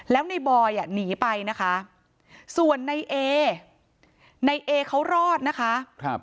แล้วในบอยหนีไปนะคะส่วนในเอในเอเขารอดนะคะ